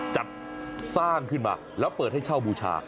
จัดสร้างขึ้นมาแล้วเปิดให้เช่าบูชา